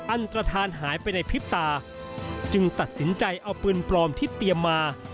อันตรฐานหายไปในพริบตาจึงตัดสินใจเอาปืนปลอมที่เตรียมมา